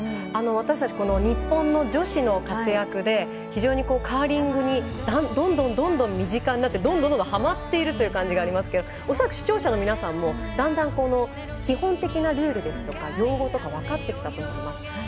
私たち日本の女子の活躍で非常にカーリングがどんどん身近になってどんどんはまっているという感じがありますけどおそらく、視聴者の皆さんもだんだん基本的なルールですとか用語とか分かってきたと思います。